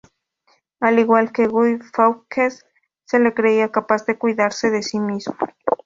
Al igual que Guy Fawkes, se le creía capaz de cuidarse de sí mismo.